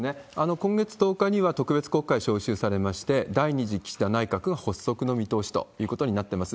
今月１０日には特別国会召集されまして、第２次岸田内閣発足の見通しということになってます。